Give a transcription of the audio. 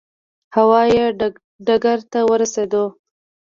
هوا یي ډګر ته ورسېدو.